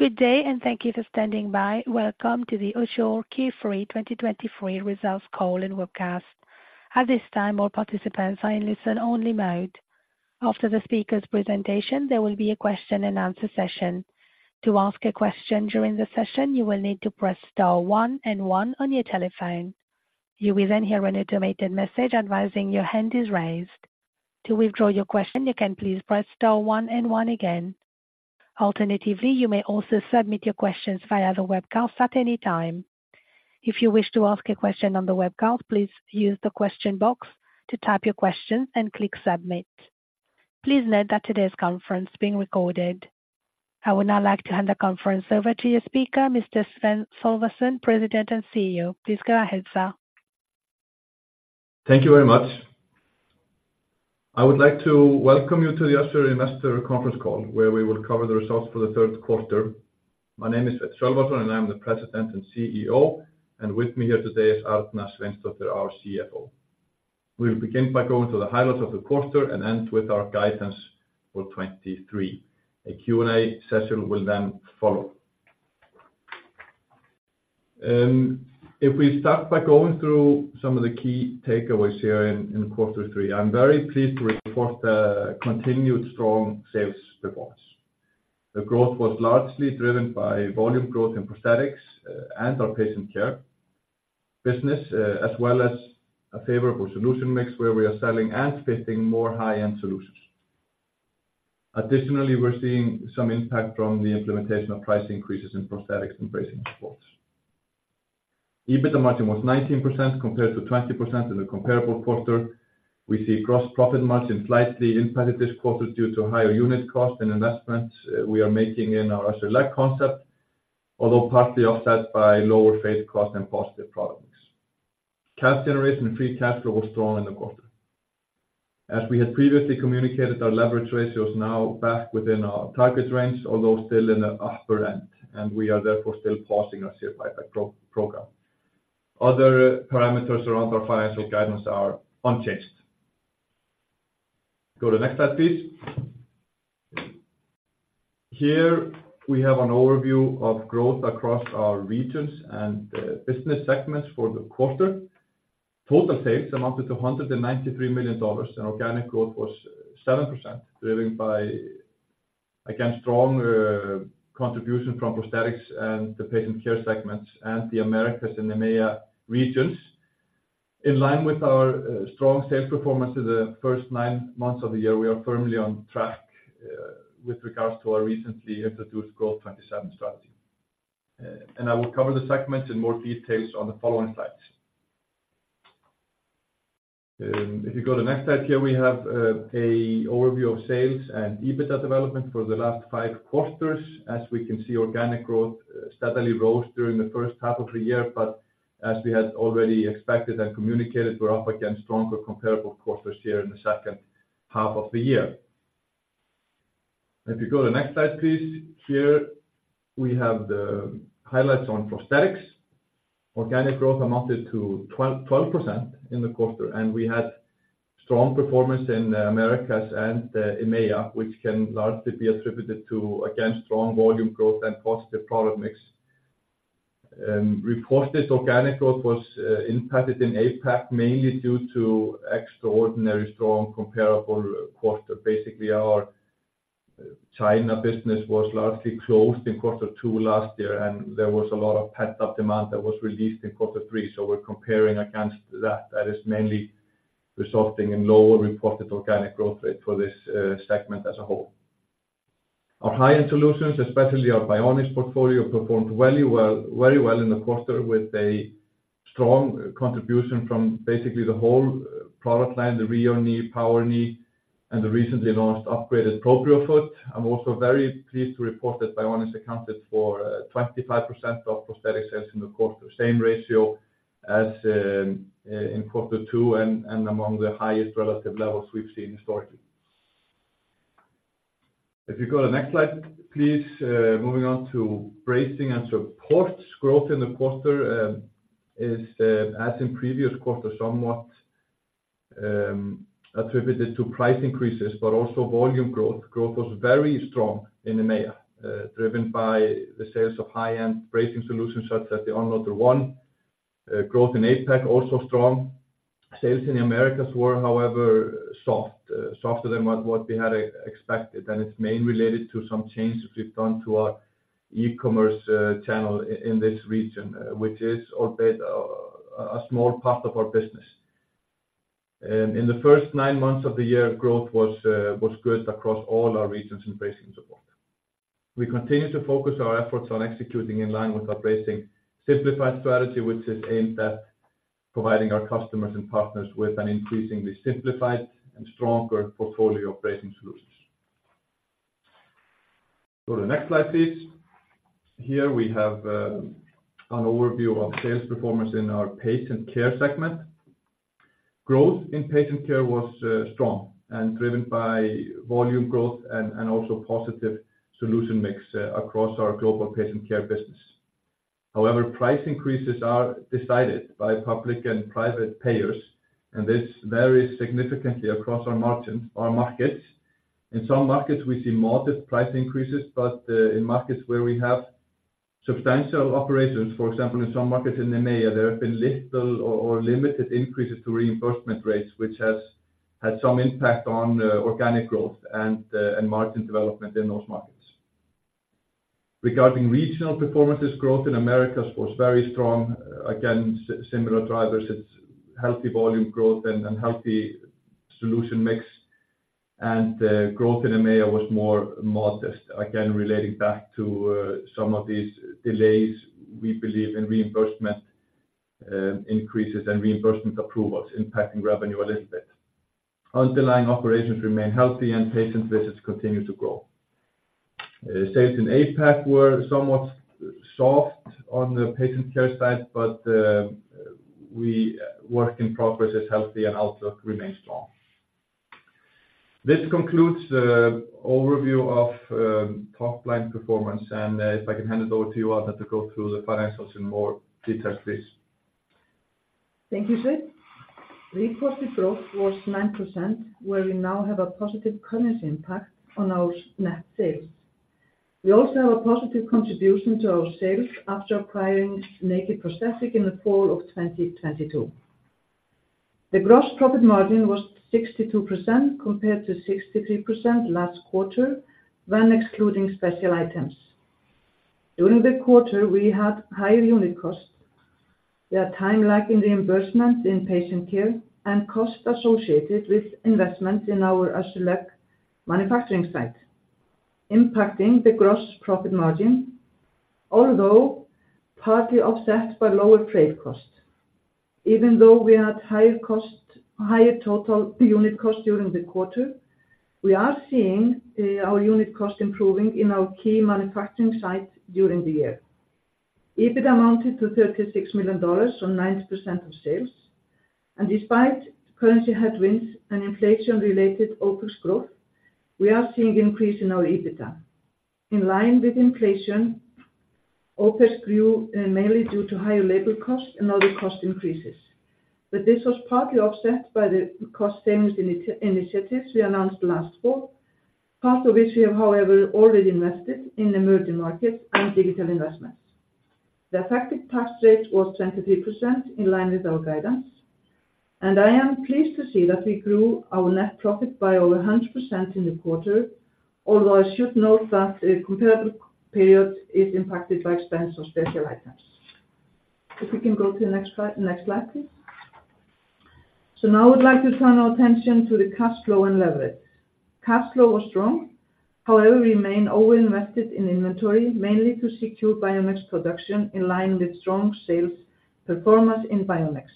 Good day, thank you for standing by. Welcome to the Össur Q3 2023 results call and webcast. At this time, all participants are in listen-only mode. After the speaker's presentation, there will be a question and answer session. To ask a question during the session, you will need to press star one and one on your telephone. You will then hear an automated message advising your hand is raised. To withdraw your question, you can please press star one and one again. Alternatively, you may also submit your questions via the webcast at any time. If you wish to ask a question on the webcast, please use the question box to type your question and click submit. Please note that today's conference is being recorded. I would now like to hand the conference over to your speaker, Mr. Sveinn Sölvason, President and CEO. Please go ahead, sir. Thank you very much. I would like to welcome you to the Össur investor conference call, where we will cover the results for the third quarter. My name is Sveinn Sölvason, and I'm the President and CEO, and with me here today is Gudny Arna, our CFO. We'll begin by going to the highlights of the quarter and end with our guidance for 2023. A Q&A session will then follow. If we start by going through some of the key takeaways here in quarter three, I'm very pleased to report the continued strong sales performance. The growth was largely driven by volume growth in prosthetics and our patient care business as well as a favorable solution mix where we are selling and fitting more high-end solutions. Additionally, we're seeing some impact from the implementation of price increases in prosthetics and bracing supports. EBITDA margin was 19%, compared to 20% in the comparable quarter. We see gross profit margin slightly impacted this quarter due to higher unit cost and investments we are making in our Össur Select concept, although partly offset by lower freight cost and positive product mix. Cash generation and free cash flow was strong in the quarter. As we had previously communicated, our leverage ratio is now back within our target range, although still in the upper end, and we are therefore still pausing our share buyback program. Other parameters around our financial guidance are unchanged. Go to the next slide, please. Here, we have an overview of growth across our regions and business segments for the quarter. Total sales amounted to $193 million, and organic growth was 7%, driven by, again, strong contribution from Prosthetics and the Patient Care segments and the Americas and EMEA regions. In line with our strong sales performance in the first nine months of the year, we are firmly on track with regards to our recently introduced Growth'27 strategy. And I will cover the segments in more details on the following slides. If you go to the next slide, here, we have an overview of sales and EBITDA development for the last five quarters. As we can see, organic growth steadily rose during the first half of the year, but as we had already expected and communicated, we're up against stronger comparable quarters here in the second half of the year. If you go to the next slide, please. Here, we have the highlights on prosthetics. Organic growth amounted to 12% in the quarter, and we had strong performance in the Americas and EMEA, which can largely be attributed to, again, strong volume growth and positive product mix. Reported organic growth was impacted in APAC, mainly due to extraordinary strong comparable quarter. Basically, our China business was largely closed in quarter two last year, and there was a lot of pent-up demand that was released in quarter three, so we're comparing against that. That is mainly resulting in lower reported organic growth rate for this segment as a whole. Our high-end solutions, especially our Bionic portfolio, performed very well, very well in the quarter, with a strong contribution from basically the whole product line, the Rheo Knee, Power Knee, and the recently launched upgraded Proprio Foot. I'm also very pleased to report that Bionic accounted for 25% of prosthetic sales in the quarter, same ratio as in quarter two and among the highest relative levels we've seen historically. If you go to the next slide, please. Moving on to bracing and supports. Growth in the quarter is, as in previous quarters, somewhat attributed to price increases, but also volume growth. Growth was very strong in EMEA, driven by the sales of high-end bracing solutions, such as the Unloader One. Growth in APAC, also strong. Sales in the Americas were, however, soft, softer than what we had expected, and it's mainly related to some changes we've done to our e-commerce channel in this region, which is albeit a small part of our business. In the first nine months of the year, growth was good across all our regions in bracing and support. We continue to focus our efforts on executing in line with our Bracing Simplified strategy, which is aimed at providing our customers and partners with an increasingly simplified and stronger portfolio of bracing solutions. Go to the next slide, please. Here we have an overview of sales performance in our Patient Care segment. Growth in Patient Care was strong and driven by volume growth and also positive solution mix across our global Patient Care business. However, price increases are decided by public and private payers, and this varies significantly across our markets. In some markets, we see modest price increases, but in markets where we have substantial operations, for example, in some markets in EMEA, there have been little or limited increases to reimbursement rates, which has had some impact on organic growth and margin development in those markets. Regarding regional performances, growth in Americas was very strong. Again, similar drivers, it's healthy volume growth and healthy solution mix. Growth in EMEA was more modest, again, relating back to some of these delays, we believe, in reimbursement increases and reimbursement approvals impacting revenue a little bit. Underlying operations remain healthy, and patient visits continue to grow. Sales in APAC were somewhat soft on the patient care side, but work in progress is healthy and outlook remains strong. This concludes the overview of top-line performance, and if I can hand it over to you, Arna, to go through the financials in more detail, please. Thank you, Sveinn. Recorded growth was 9%, where we now have a positive currency impact on our net sales. We also have a positive contribution to our sales after acquiring Naked Prosthetics in the fall of 2022. The gross profit margin was 62% compared to 63% last quarter when excluding special items. During the quarter, we had higher unit costs. We are time-lagging reimbursement in patient care and cost associated with investment in our Össur Legs manufacturing site, impacting the gross profit margin, although partly offset by lower freight costs. Even though we had higher cost, higher total unit cost during the quarter, we are seeing our unit cost improving in our key manufacturing sites during the year. EBITDA amounted to $36 million on 90% of sales, and despite currency headwinds and inflation-related OpEx growth, we are seeing increase in our EBITDA. In line with inflation, OpEx grew mainly due to higher labor costs and other cost increases. But this was partly offset by the cost savings initiatives we announced last fall, part of which we have, however, already invested in emerging markets and digital investments. The effective tax rate was 23%, in line with our guidance, and I am pleased to see that we grew our net profit by over 100% in the quarter, although I should note that the comparable period is impacted by expense on special items. If we can go to the next slide, next slide, please. So now I would like to turn our attention to the cash flow and leverage. Cash flow was strong. However, we remain over-invested in inventory, mainly to secure bionics production in line with strong sales performance in bionics,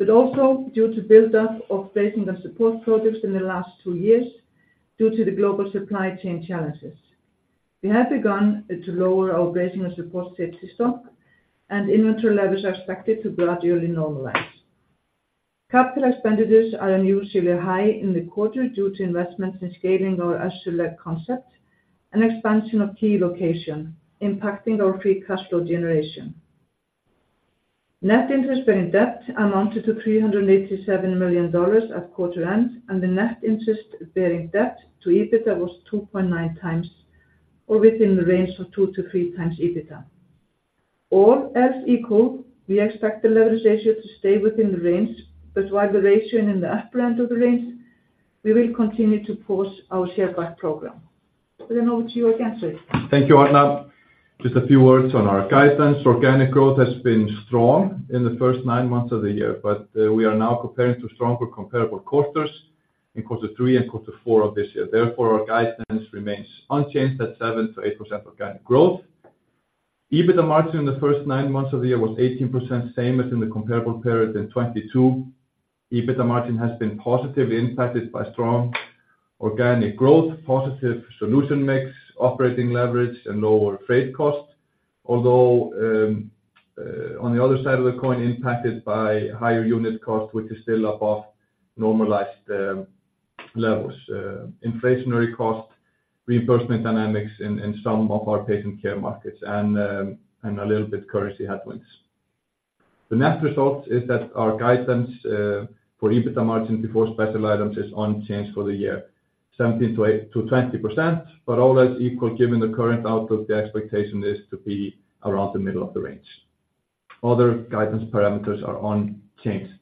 but also due to buildup of bracing and support products in the last two years due to the global supply chain challenges. We have begun to lower our bracing and supports safety stock, and inventory levels are expected to gradually normalize. Capital expenditures are unusually high in the quarter due to investments in scaling our Össur Legs concept and expansion of key location, impacting our free cash flow generation. Net interest-bearing debt amounted to $387 million at quarter end, and the net interest-bearing debt to EBITDA was 2.9 times, or within the range of 2-3 times EBITDA. All else equal, we expect the leverage ratio to stay within the range, but while the ratio in the upper end of the range, we will continue to pause our share buyback program. Then over to you again, Sveinn. Thank you, Arna. Just a few words on our guidance. Organic growth has been strong in the first nine months of the year, but we are now comparing to stronger comparable quarters in quarter three and quarter four of this year. Therefore, our guidance remains unchanged at 7-8% organic growth. EBITDA margin in the first nine months of the year was 18%, same as in the comparable period in 2022. EBITDA margin has been positively impacted by strong organic growth, positive solution mix, operating leverage, and lower freight costs. Although on the other side of the coin, impacted by higher unit costs, which is still above normalized levels, inflationary costs, reimbursement dynamics in some of our patient care markets and a little bit currency headwinds. The net result is that our guidance for EBITDA margin before special items is unchanged for the year, 17-20%, but all else equal, given the current outlook, the expectation is to be around the middle of the range. Other guidance parameters are unchanged.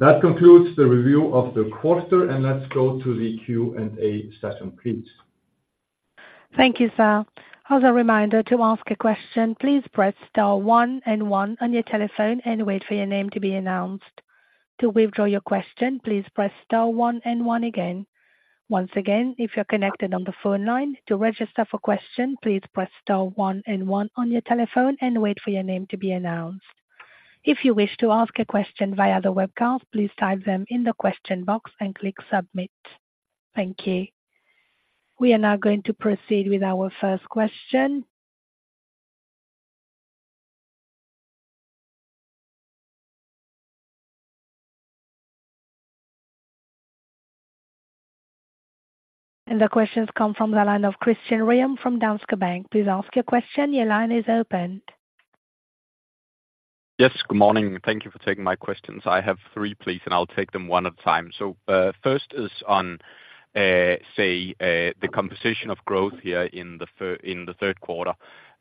That concludes the review of the quarter, and let's go to the Q&A session, please. Thank you, Sveinn. As a reminder to ask a question, please press star one and one on your telephone and wait for your name to be announced. To withdraw your question, please press star one and one again. Once again, if you're connected on the phone line, to register for question, please press star one and one on your telephone and wait for your name to be announced. If you wish to ask a question via the webcast, please type them in the question box and click submit. Thank you. We are now going to proceed with our first question. The questions come from the line of Christian Ryom from Danske Bank. Please ask your question. Your line is open. Yes, good morning. Thank you for taking my questions. I have three, please, and I'll take them one at a time. First is on the composition of growth here in the third quarter.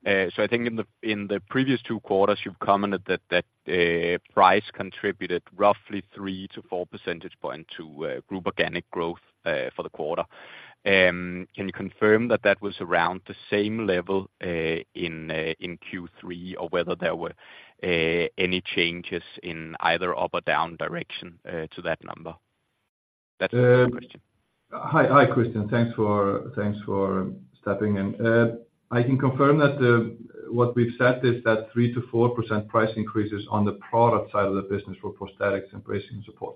I think in the previous two quarters, you've commented that price contributed roughly 3-4 percentage points to group organic growth for the quarter. Can you confirm that that was around the same level in Q3, or whether there were any changes in either up or down direction to that number? That's the question. Hi, hi, Christian. Thanks for stepping in. I can confirm that what we've said is that 3-4% price increases on the product side of the business were prosthetics and bracing support.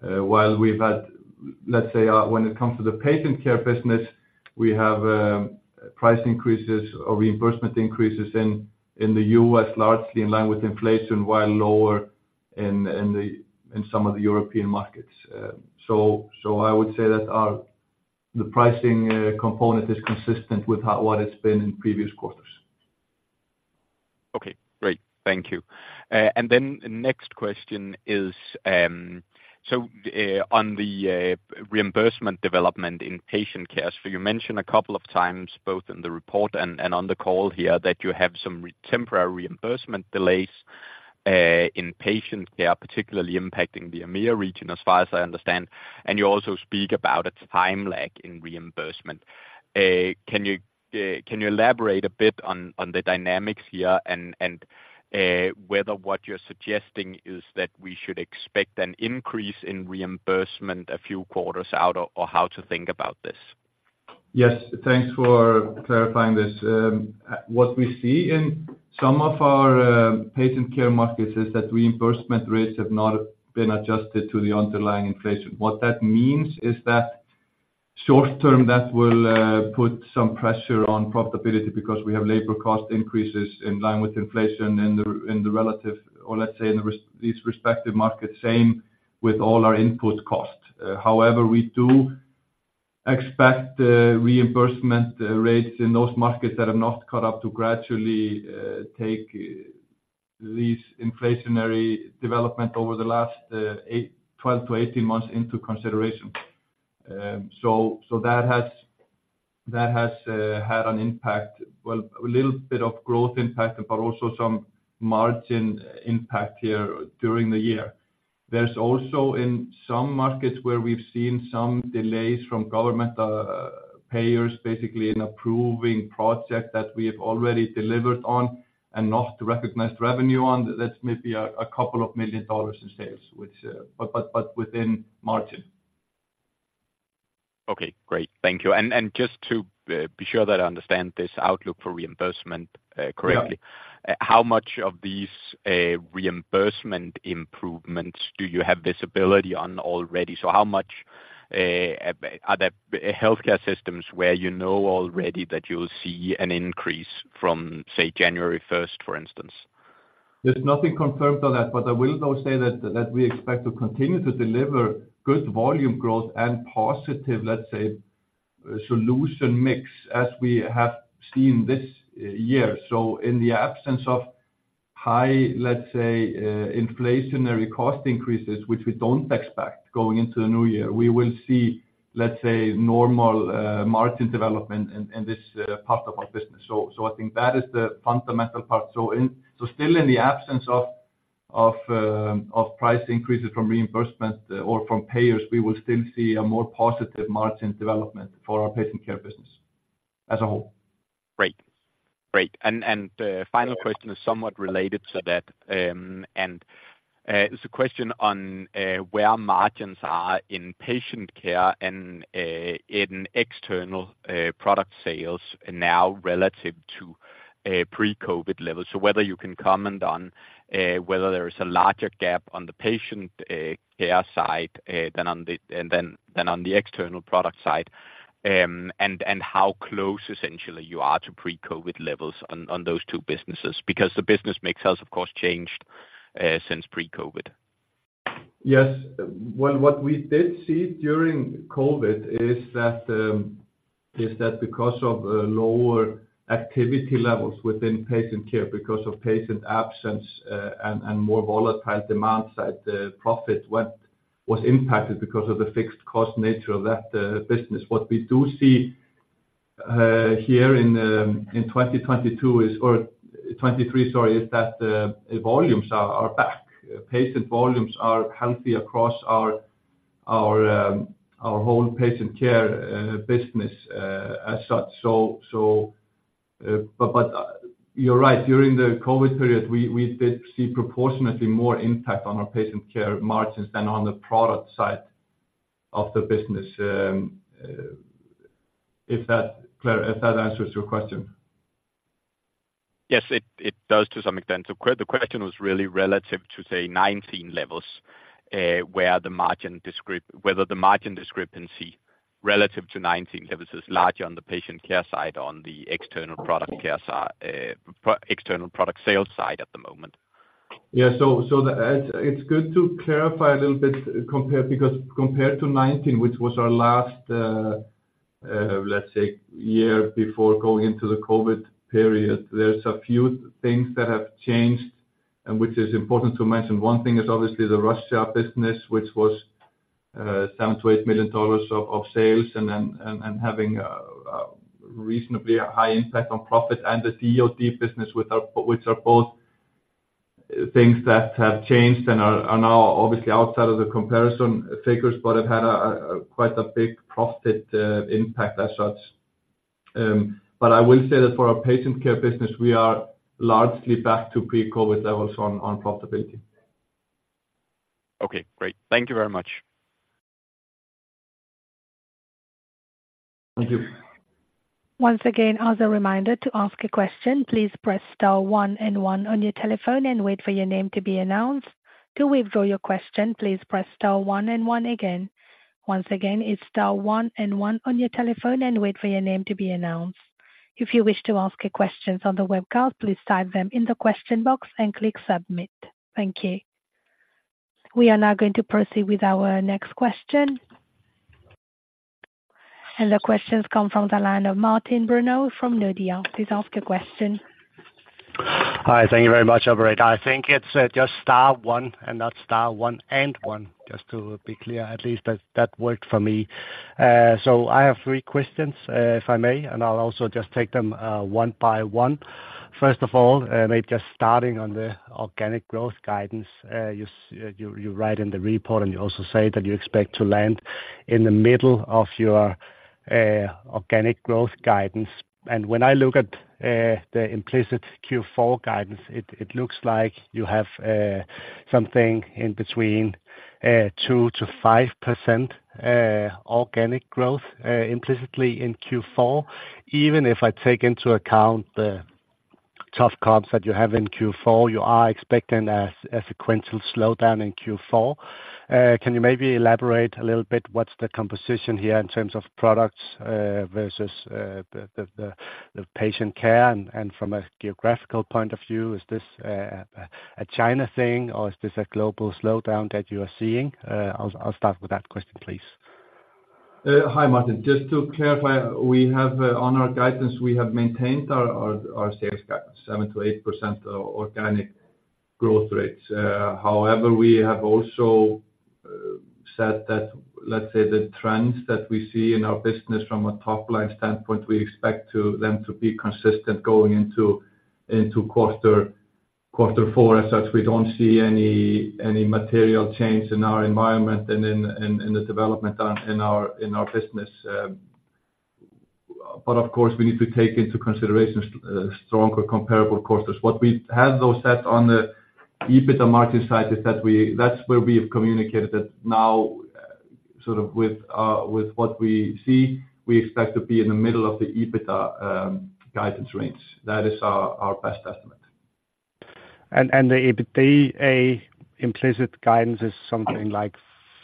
While we've had, let's say, when it comes to the patient care business, we have price increases or reimbursement increases in the U.S., largely in line with inflation, while lower in some of the European markets. So, I would say that our... The pricing component is consistent with what it's been in previous quarters. Okay, great. Thank you. And then next question is, so, on the reimbursement development in patient care. So you mentioned a couple of times, both in the report and on the call here, that you have some temporary reimbursement delays in patient care, particularly impacting the EMEA region, as far as I understand. And you also speak about a time lag in reimbursement. Can you elaborate a bit on the dynamics here, and whether what you're suggesting is that we should expect an increase in reimbursement a few quarters out, or how to think about this? Yes, thanks for clarifying this. What we see in some of our patient care markets is that reimbursement rates have not been adjusted to the underlying inflation. What that means is that short term, that will put some pressure on profitability, because we have labor cost increases in line with inflation in the relative, or let's say in these respective markets, same with all our input costs. However, we do expect reimbursement rates in those markets that have not caught up to gradually take these inflationary development over the last eight, 12-18 months into consideration. So that has had an impact, well, a little bit of growth impact, but also some margin impact here during the year. There's also, in some markets, where we've seen some delays from government payers, basically in approving project that we have already delivered on and not recognized revenue on. That's maybe $2 million in sales, which but within margin. Okay, great. Thank you. And just to be sure that I understand this outlook for reimbursement correctly- Yeah. How much of these reimbursement improvements do you have visibility on already? So how much are there healthcare systems where you know already that you'll see an increase from, say, January first, for instance? There's nothing confirmed on that, but I will, though, say that we expect to continue to deliver good volume growth and positive, let's say, solution mix, as we have seen this year. So in the absence of high, let's say, inflationary cost increases, which we don't expect going into the new year, we will see, let's say, normal margin development in this part of our business. So I think that is the fundamental part. So still in the absence of price increases from reimbursement or from payers, we will still see a more positive margin development for our Patient Care business as a whole. Great. Great, the final question is somewhat related to that. And it's a question on where margins are in patient care and in external product sales now relative to a pre-COVID level. So whether you can comment on whether there is a larger gap on the patient care side than on the... than on the external product side. And how close essentially you are to pre-COVID levels on those two businesses, because the business mix has, of course, changed since pre-COVID. Yes. Well, what we did see during COVID is that because of lower activity levels within Patient Care, because of patient absence, and more volatile demand side, profit was impacted because of the fixed cost nature of that business. What we do see here in 2022 - or 2023, sorry - is that volumes are back. Patient volumes are healthy across our whole Patient Care business, as such. So, but, you're right, during the COVID period, we did see proportionately more impact on our Patient Care margins than on the product side of the business, if that answers your question. Yes, it does to some extent. So the question was really relative to, say, 2019 levels, where the margin discrepancy relative to 2019 levels is larger on the patient care side, on the external product care side, external product sales side at the moment? Yeah, so it's good to clarify a little bit compared, because compared to 2019, which was our last, let's say, year before going into the COVID period, there's a few things that have changed and which is important to mention. One thing is obviously the Russia business, which was 7-$8 million of sales, and then having a reasonably high impact on profit and the DOD business, without which are both things that have changed and are now obviously outside of the comparison figures, but have had a quite big profit impact as such. But I will say that for our patient care business, we are largely back to pre-COVID levels on profitability. Okay, great. Thank you very much. Thank you. Once again, as a reminder to ask a question, please press star one and one on your telephone and wait for your name to be announced. To withdraw your question, please press star one and one again. Once again, it's star one and one on your telephone and wait for your name to be announced. If you wish to ask your questions on the webcast, please type them in the question box and click submit. Thank you. We are now going to proceed with our next question. The question comes from the line of Martin Parkhøi from Nordea. Please ask your question. Hi, thank you very much, operator. I think it's just star one and not star one and one, just to be clear, at least that worked for me. So I have three questions, if I may, and I'll also just take them one by one. First of all, maybe just starting on the organic growth guidance. You write in the report, and you also say that you expect to land in the middle of your organic growth guidance. And when I look at the implicit Q4 guidance, it looks like you have something in between 2-5% organic growth implicitly in Q4. Even if I take into account the tough comps that you have in Q4, you are expecting a sequential slowdown in Q4. Can you maybe elaborate a little bit, what's the composition here in terms of products versus the patient care? And from a geographical point of view, is this a China thing, or is this a global slowdown that you are seeing? I'll start with that question, please. Hi, Martin. Just to clarify, we have on our guidance, we have maintained our sales guide 7-8% organic growth rates. However, we have also said that, let's say, the trends that we see in our business from a top-line standpoint, we expect them to be consistent going into quarter four. As such, we don't see any material change in our environment and in the development in our business. But of course, we need to take into consideration stronger comparable quarters. What we have, though, said on the EBITDA margin side is that we-- That's where we have communicated that now, sort of with what we see, we expect to be in the middle of the EBITDA guidance range. That is our best estimate. The EBITDA implicit guidance is something like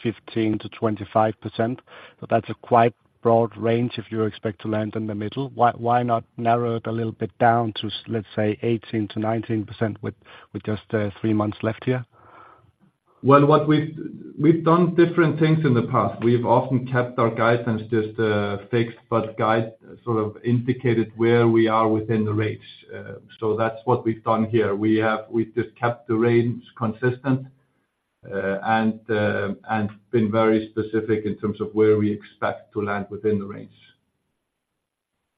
15-25%, but that's a quite broad range if you expect to land in the middle. Why, why not narrow it a little bit down to, let's say, 18-19% with, with just three months left here? Well, what we've done different things in the past. We've often kept our guidance just fixed, but guide sort of indicated where we are within the range. So that's what we've done here. We've just kept the range consistent, and been very specific in terms of where we expect to land within the range.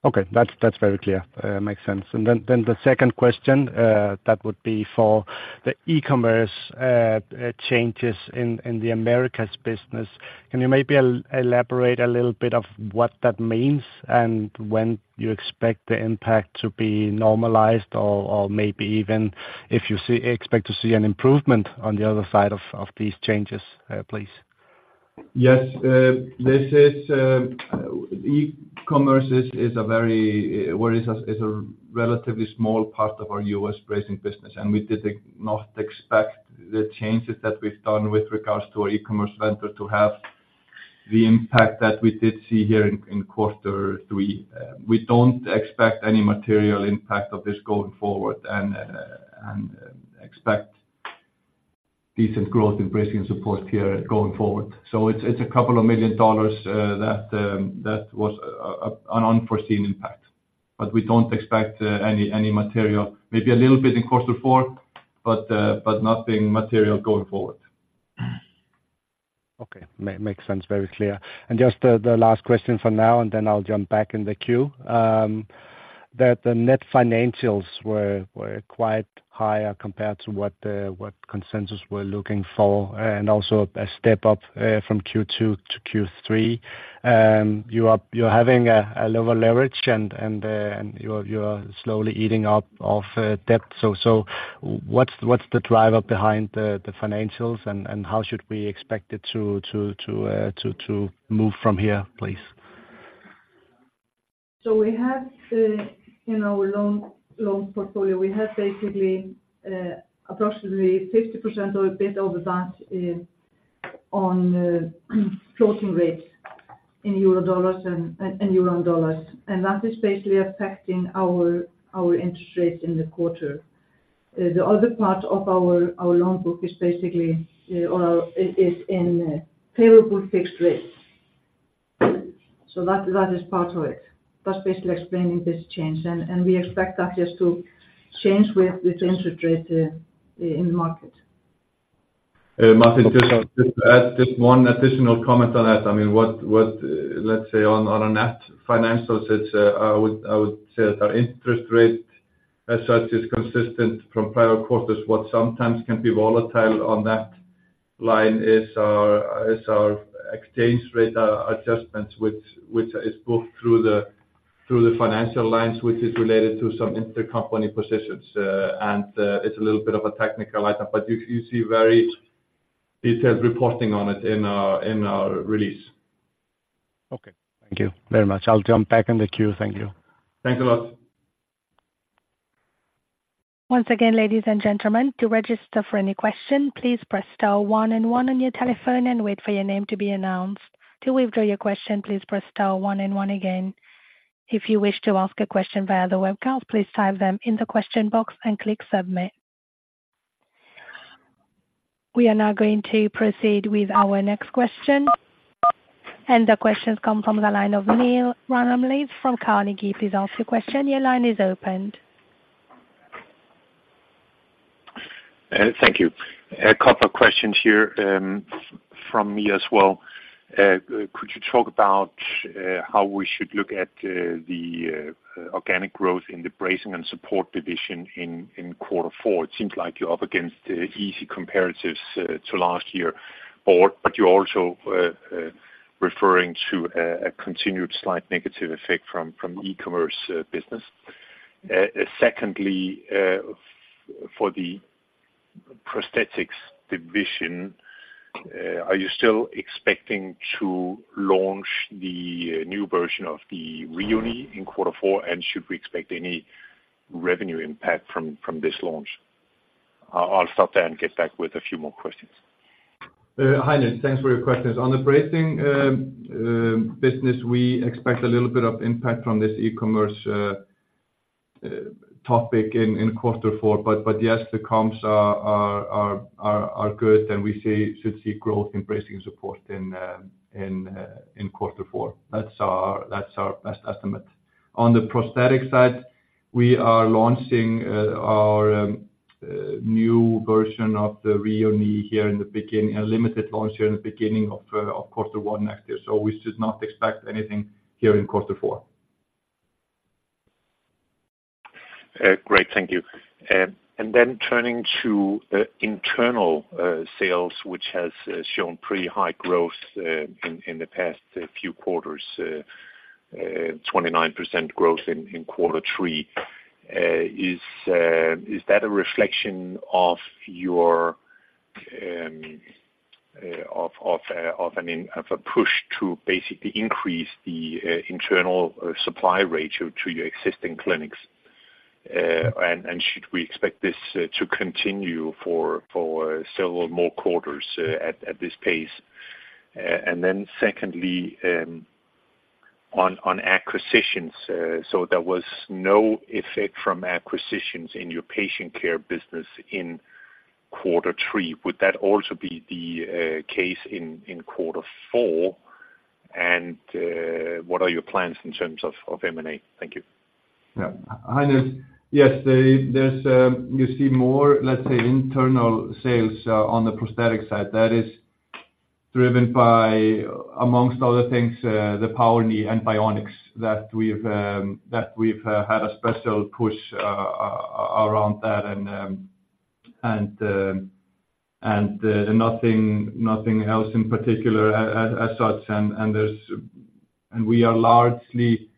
Okay. That's very clear. Makes sense. Then the second question that would be for the e-commerce changes in the Americas business. Can you maybe elaborate a little bit of what that means and when you expect the impact to be normalized, or maybe even if you see expect to see an improvement on the other side of these changes, please? Yes. e-commerce is a very, well, is a relatively small part of our U.S. bracing business, and we did not expect the changes that we've done with regards to our e-commerce vendor to have the impact that we did see here in quarter three. We don't expect any material impact of this going forward and expect decent growth in bracing support here going forward. It's a couple of million dollars that was an unforeseen impact. We don't expect any material—maybe a little bit in quarter four, but nothing material going forward. Okay. Makes sense, very clear. And just the last question for now, and then I'll jump back in the queue. That the net financials were quite higher compared to what consensus were looking for, and also a step up from Q2-Q3. You're having a lower leverage and you're slowly eating up of debt. So what's the driver behind the financials, and how should we expect it to move from here, please? We have in our loan portfolio basically approximately 50% or a bit over that, ...on floating rates in Eurodollars and Euro and dollars. That is basically affecting our interest rates in the quarter. The other part of our loan book is basically or is in favorable fixed rates. That is part of it. That's basically explaining this change, and we expect that just to change with interest rates in the market. Martin, just to add one additional comment on that. I mean, let's say on a net financial sense, I would say that our interest rate, as such, is consistent from prior quarters. What sometimes can be volatile on that line is our exchange rate adjustments, which is both through the financial lines, which is related to some intercompany positions. And it's a little bit of a technical item, but you see very detailed reporting on it in our release. Okay, thank you very much. I'll jump back in the queue. Thank you. Thanks a lot. Once again, ladies and gentlemen, to register for any question, please press star one and one on your telephone and wait for your name to be announced. To withdraw your question, please press star one and one again. If you wish to ask a question via the webcast, please type them in the question box and click submit. We are now going to proceed with our next question. The question comes from the line of Niels Granholm-Leth from Carnegie. Please ask your question. Your line is open. Thank you. A couple of questions here, from me as well. Could you talk about how we should look at the organic growth in the bracing and support division in quarter four? It seems like you're up against easy comparatives to last year, or but you're also referring to a continued slight negative effect from e-commerce business. Secondly, for the prosthetics division, are you still expecting to launch the new version of the Rheo Knee in quarter four? And should we expect any revenue impact from this launch? I'll stop there and get back with a few more questions. Hi, Niels. Thanks for your questions. On the bracing business, we expect a little bit of impact from this e-commerce topic in quarter four. But yes, the comps are good, and we should see growth in bracing support in quarter four. That's our best estimate. On the prosthetic side, we are launching our new version of the Rheo Knee, a limited launch here in the beginning of quarter one next year. So we should not expect anything here in quarter four. Great. Thank you. And then turning to internal sales, which has shown pretty high growth in the past few quarters, 29% growth in quarter three. Is that a reflection of your push to basically increase the internal supply rate to your existing clinics? And should we expect this to continue for several more quarters at this pace? And then secondly, on acquisitions, so there was no effect from acquisitions in your Patient Care business in quarter three. Would that also be the case in quarter four? And what are your plans in terms of M&A? Thank you. Yeah. Hi, Niels. Yes, there's you see more, let's say, internal sales on the prosthetic side. That is driven by, amongst other things, the Power Knee and bionics that we've had a special push around that. And nothing else in particular as such. And we are largely,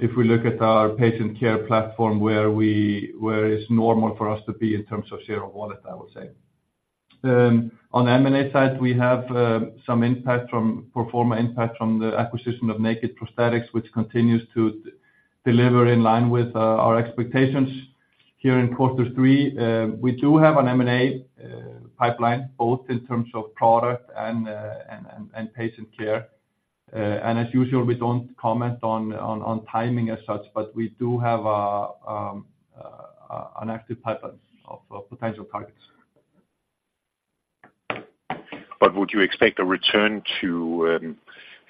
if we look at our patient care platform, where it's normal for us to be in terms of share of wallet, I would say. On M&A side, we have some impact from pro forma impact from the acquisition of Naked Prosthetics, which continues to deliver in line with our expectations here in quarter three. We do have an M&A pipeline, both in terms of product and patient care. As usual, we don't comment on timing as such, but we do have an active pipeline of potential targets. But would you expect a return to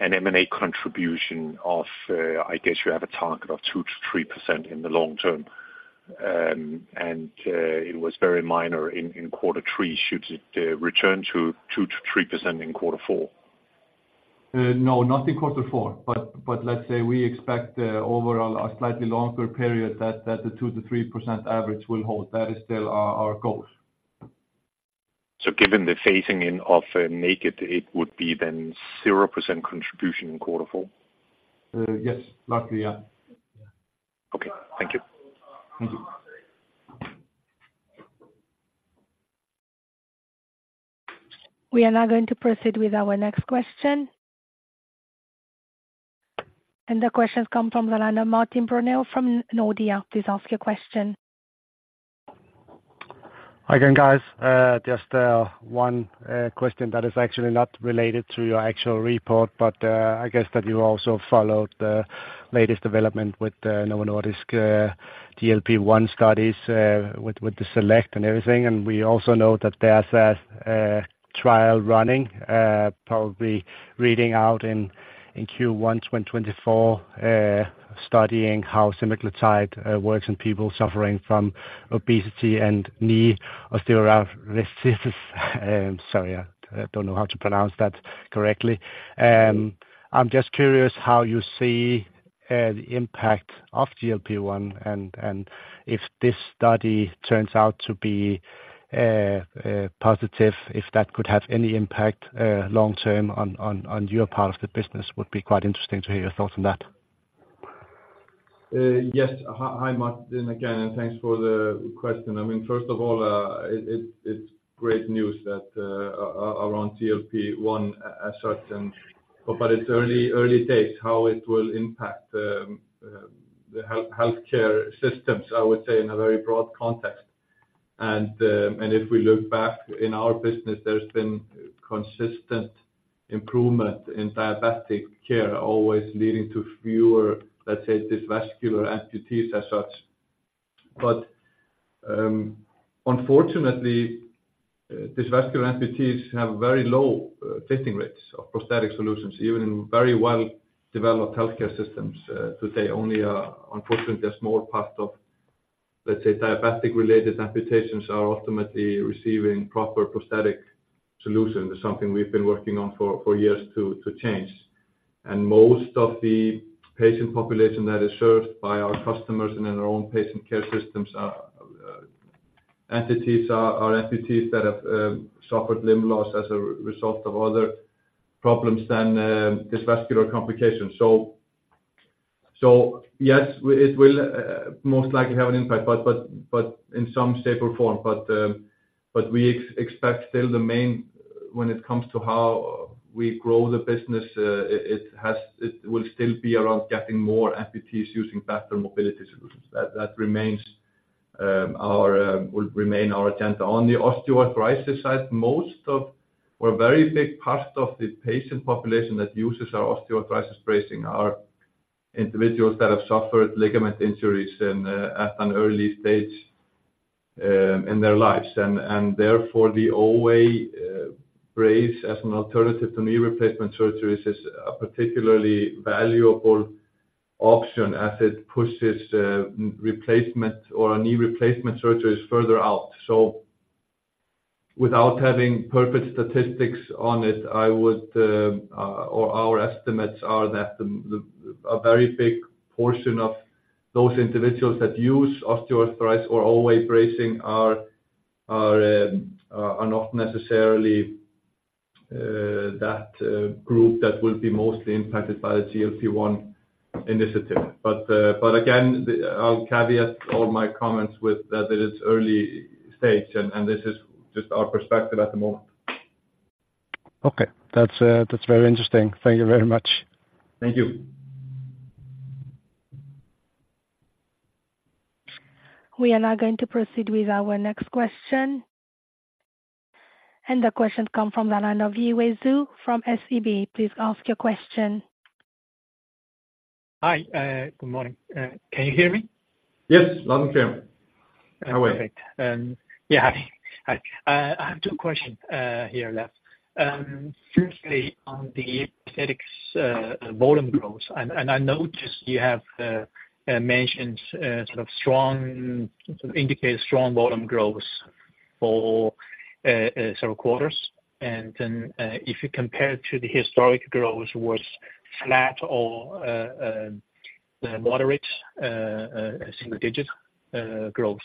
an M&A contribution of, I guess you have a target of 2-3% in the long term, and it was very minor in quarter three. Should it return to 2%-3% in quarter four? No, not in quarter four, but let's say we expect overall a slightly longer period that the 2-3% average will hold. That is still our goal. Given the phasing in of Naked, it would be then 0% contribution in quarter four? Yes. Luckily, yeah. Okay. Thank you. Thank you. We are now going to proceed with our next question. The question comes from the line of Martin Parkhøi from Nordea. Please ask your question. Hi again, guys. Just one question that is actually not related to your actual report, but I guess that you also followed the latest development with the Novo Nordisk GLP-1 studies with the SELECT and everything. We also know that there's a trial running probably reading out in Q1 2024 studying how semaglutide works in people suffering from obesity and knee osteoarthritis. Sorry, I don't know how to pronounce that correctly. I'm just curious how you see the impact of GLP-1, and if this study turns out to be positive, if that could have any impact long term on your part of the business. It would be quite interesting to hear your thoughts on that. Yes. Hi, hi, Martin, again, and thanks for the question. I mean, first of all, it's great news that around GLP-1 as such, but it's early days how it will impact the healthcare systems, I would say, in a very broad context. And if we look back in our business, there's been consistent improvement in diabetic care, always leading to fewer, let's say, dysvascular amputees as such. But unfortunately, dysvascular amputees have very low fitting rates of prosthetic solutions, even in very well-developed healthcare systems. To say only, unfortunately, a small part of, let's say, diabetic-related amputations are ultimately receiving proper prosthetic solutions, is something we've been working on for years to change. Most of the patient population that is served by our customers and in our own patient care systems are entities, are amputees that have suffered limb loss as a result of other problems than this vascular complication. Yes, it will most likely have an impact in some shape or form, but we expect still the main, when it comes to how we grow the business, it will still be around getting more amputees using better mobility solutions. That remains our, will remain our agenda. On the osteoarthritis side, most of, or a very big part of the patient population that uses our osteoarthritis bracing, are individuals that have suffered ligament injuries at an early stage in their lives. Therefore, the OA brace as an alternative to knee replacement surgeries is a particularly valuable option as it pushes replacement or a knee replacement surgeries further out. So without having perfect statistics on it, I would or our estimates are that a very big portion of those individuals that use osteoarthritis or OA bracing are not necessarily that group that will be mostly impacted by the GLP-1 initiative. But again, I'll caveat all my comments with that it is early stage, and this is just our perspective at the moment. Okay. That's, that's very interesting. Thank you very much. Thank you. We are now going to proceed with our next question. The question come from the line of Yiwei Zhou from SEB. Please ask your question. Hi, good morning. Can you hear me? Yes, loud and clear. How are you? Perfect. Yeah, hi. Hi, I have two questions here, Sveinn. Firstly, on the Prosthetics volume growth. And I noticed you have mentioned sort of strong, indicated strong volume growth for several quarters. Then, if you compare it to the historic growth was flat or moderate single digit growth.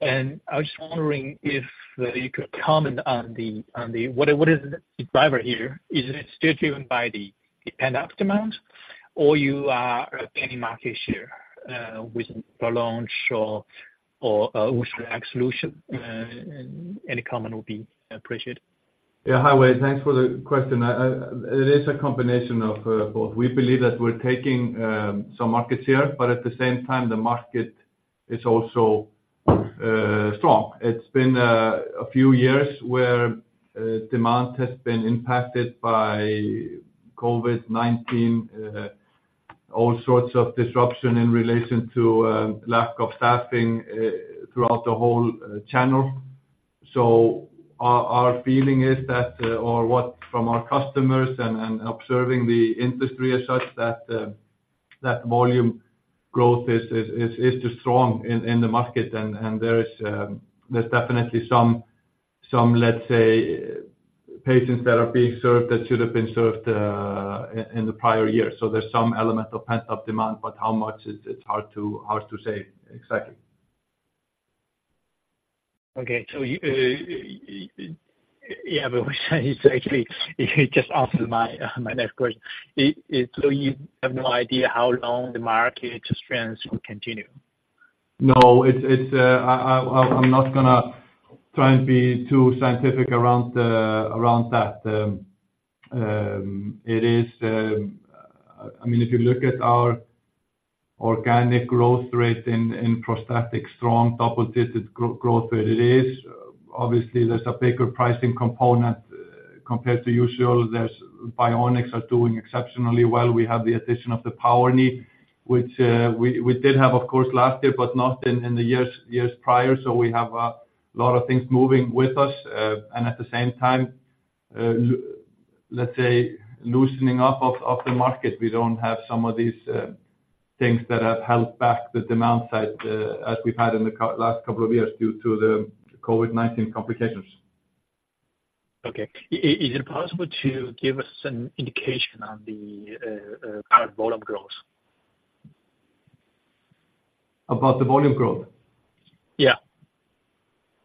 I was just wondering if you could comment on the, on the -- what is, what is the driver here? Is it still driven by the pent-up demand or you are gaining market share with the launch or with the solution? Any comment would be appreciated. Yeah, hi, Wei. Thanks for the question. It is a combination of both. We believe that we're taking some market share, but at the same time, the market is also strong. It's been a few years where demand has been impacted by COVID-19, all sorts of disruption in relation to lack of staffing throughout the whole channel. So our feeling is that, or what from our customers and observing the industry as such, that volume growth is just strong in the market. And there is, there's definitely some, let's say, patients that are being served that should have been served in the prior years. So there's some element of pent-up demand, but how much is, it's hard to say exactly. Okay. So yeah, but it's actually, you just answered my next question. Is so you have no idea how long the market trends will continue? No, it's, I'm not gonna try and be too scientific around that. I mean, if you look at our organic growth rate in prosthetics, strong double-digit growth, where it is, obviously there's a bigger pricing component compared to usual. Bionics are doing exceptionally well. We have the addition of the Power Knee, which we did have, of course, last year, but not in the years prior. So we have a lot of things moving with us, and at the same time, let's say, loosening up of the market. We don't have some of these things that have held back the demand side, as we've had in the last couple of years due to the COVID-19 complications. Okay. Is it possible to give us an indication on the current volume growth? About the volume growth?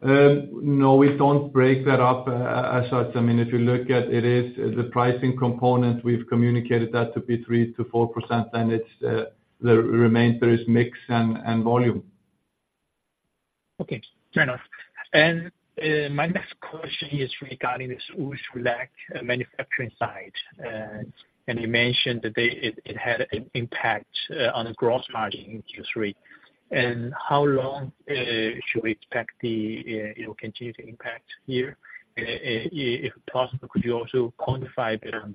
Yeah. No, we don't break that up as such. I mean, if you look at it, is the pricing component, we've communicated that to be 3-4%, and it's the remainder is mix and, and volume. Okay, fair enough. My next question is regarding this Össur manufacturing site. You mentioned that it had an impact on the gross margin in Q3. How long should we expect it will continue to impact here? And if possible, could you also quantify a bit on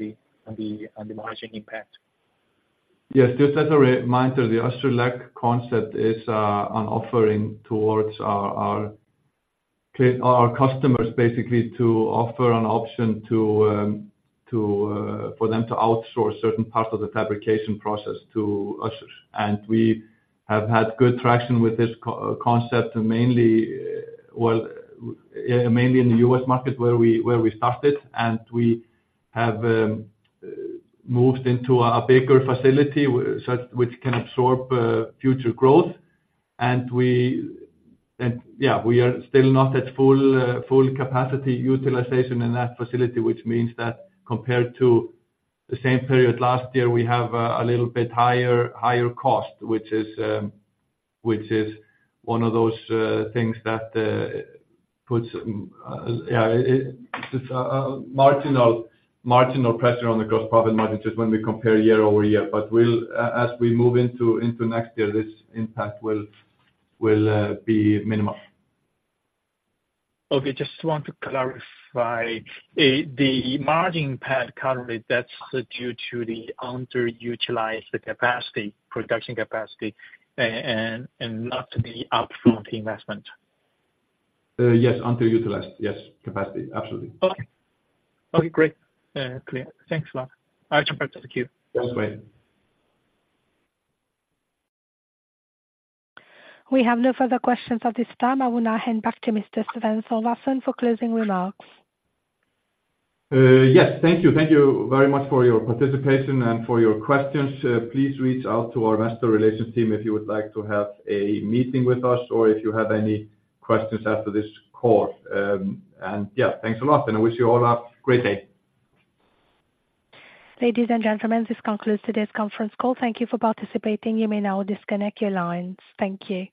the margin impact? Yes. Just as a reminder, the Össur Select concept is an offering towards our customers, basically, to offer an option for them to outsource certain parts of the fabrication process to us. And we have had good traction with this concept, and mainly in the U.S. market where we started, and we have moved into a bigger facility, which can absorb future growth. And we are still not at full capacity utilization in that facility, which means that compared to the same period last year, we have a little bit higher cost, which is one of those things that puts it, it's a marginal pressure on the gross profit margin, just when we compare year-over-year. But we'll, as we move into next year, this impact will be minimized. Okay, just want to clarify. The margin impact currently, that's due to the underutilized capacity, production capacity, and not the upfront investment? Yes, underutilized. Yes, capacity. Absolutely. Okay. Okay, great. Clear. Thanks a lot. I'll jump back to the queue. Thanks, Yiwei. We have no further questions at this time. I will now hand back to Mr. Sveinn Sölvason for closing remarks. Yes. Thank you. Thank you very much for your participation and for your questions. Please reach out to our investor relations team if you would like to have a meeting with us, or if you have any questions after this call. Yeah, thanks a lot, and I wish you all a great day. Ladies and gentlemen, this concludes today's conference call. Thank you for participating. You may now disconnect your lines. Thank you.